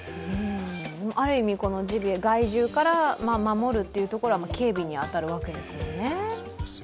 ある意味ジビエ、害獣から守るというところは警備に当たるわけですもんね。